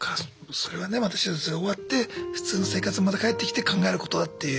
それはねまた手術が終わって普通の生活にまた帰ってきて考えることだっていう。